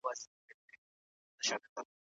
نازولې د بادار یم معتبره